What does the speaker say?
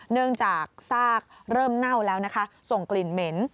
เนื่องจากซากเริ่มเน่าแล้วนะคะส่งกลิ่นเหม็น